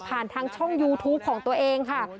ทางช่องยูทูปของตัวเองค่ะ